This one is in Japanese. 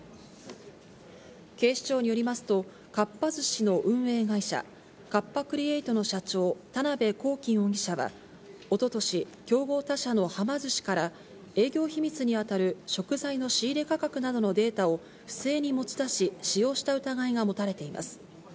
警視庁によりますと、かっぱ寿司の運営会社、カッパ・クリエイトの社長、田辺公己容疑者は、おととし、競合他社のはま寿司から営業秘密に当たる食材の仕入れ価格などのデータを不正に持ち出し、使用した疑いが持たれています。